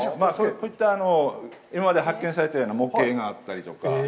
こちら、今まで発見されたような模型があったりとか。